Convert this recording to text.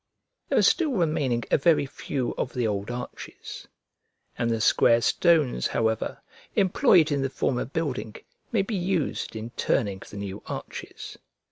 There are still remaining a very few of the old arches; and the square stones, however, employed in the former building, may be used in turning the new arches.